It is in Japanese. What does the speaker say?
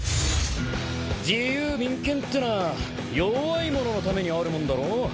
自由民権ってのは弱い者のためにあるもんだろ。